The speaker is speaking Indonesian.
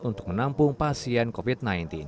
untuk menampung pasien covid sembilan belas